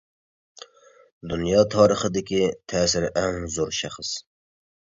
دۇنيا تارىخىدىكى تەسىرى ئەڭ زور شەخس.